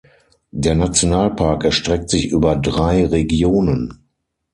Der Nationalpark erstreckt sich über drei Regionen.